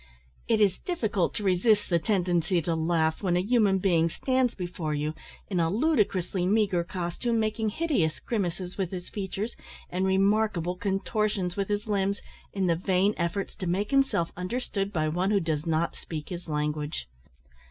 It is difficult to resist the tendency to laugh when a human being stands before you in a ludicrously meagre costume, making hideous grimaces with his features, and remarkable contortions with his limbs, in the vain efforts to make himself understood by one who does not speak his language!